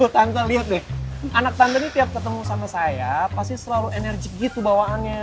tante lihat deh anak tante ini tiap ketemu sama saya pasti selalu energi gitu bawaannya